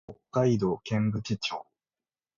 北海道剣淵町